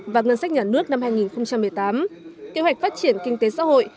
và ngân sách nhà nước năm hai nghìn một mươi tám kế hoạch phát triển kinh tế xã hội